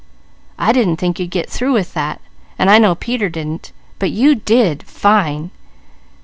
I didn't think you'd get through with that, and I know Peter didn't; but you did, fine!